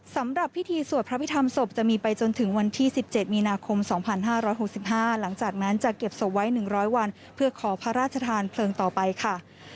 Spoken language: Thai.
สำหรับพิธีสวดพระพิธรรมศพจะมีไปจนถึงวันที่๑๗มีนาคม๒๕๖๕หลังจากนั้นจะเก็บศพไว้๑๐๐วันเพื่อขอพระราชทานเพลิงต่อไปค่ะ